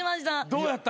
どうやった？